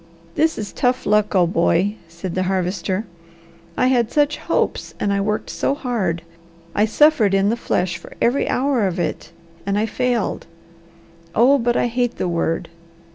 "This is tough luck, old boy," said the Harvester. "I had such hopes and I worked so hard. I suffered in the flesh for every hour of it, and I failed. Oh but I hate the word!